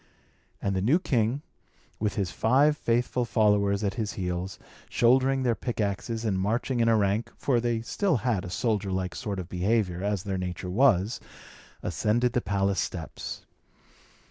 And the new king, with his five faithful followers at his heels, shouldering their pickaxes and marching in a rank (for they still had a soldier like sort of behaviour, as their nature was), ascended the palace steps.